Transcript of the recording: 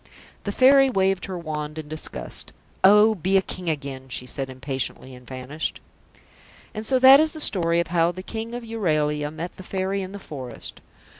The Fairy waved her wand in disgust. "Oh, be a King again," she said impatiently, and vanished. And so that is the story of how the King of Euralia met the Fairy in the forest.